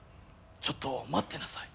ちょっと待ってなさい。